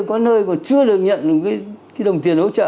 có nơi còn chưa được nhận một cái đồng tiền hỗ trợ